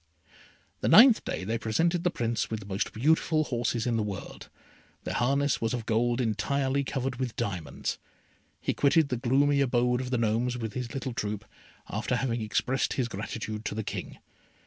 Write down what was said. The ninth day they presented the Prince with the most beautiful horses in the world. Their harness was of gold entirely covered with diamonds. He quitted the gloomy abode of the Gnomes with his little troop, after having expressed his gratitude to the King.